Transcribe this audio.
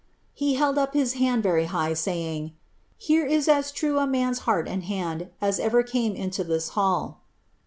He held up his hand verv high, saying, " Here is as true a man's heart and band as ever came in:i' this hall."